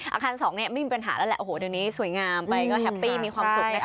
อาคารสองเนี่ยไม่มีปัญหาแล้วแหละโอ้โหเดี๋ยวนี้สวยงามไปก็แฮปปี้มีความสุขนะคะ